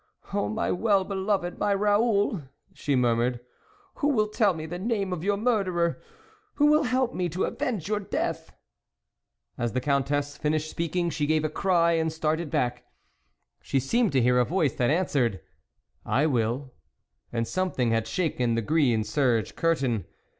" O my well beloved, my Raoul ;" she murmured, " who will tell me the name of your murderer ? who will help me to avenge your death ?" As the Countess finished speaking, she gave a cry and started back ; she seemed to hear a voice that answered, " I will !" and something had shaken the green serge curtain.